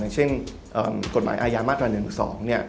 อย่างเช่นกฎหมายอายามรรดิ์๑หรือ๒